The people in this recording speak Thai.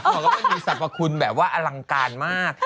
เขาก็ไม่มีสรรพคุณแบบว่าอลังการมาก